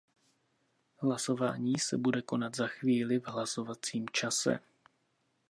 Hlasování se bude konat za chvíli, v hlasovacím čase.